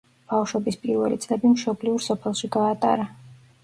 ბავშვობის პირველი წლები მშობლიურ სოფელში გაატარა.